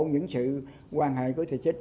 những sự quan hệ của thị trích